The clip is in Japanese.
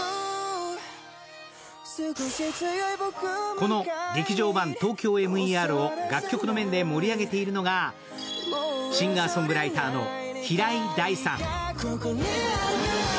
この「劇場版ＴＯＫＹＯＭＥＲ」を楽曲の面で盛り上げているのがシンガーソングライターの平井大さん。